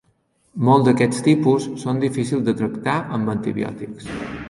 Molts d'aquests tipus són difícils de tractar amb antibiòtics.